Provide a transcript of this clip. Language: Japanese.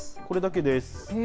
これだけです。